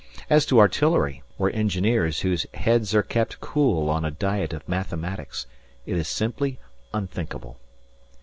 As to artillery, or engineers whose heads are kept cool on a diet of mathematics, it is simply unthinkable.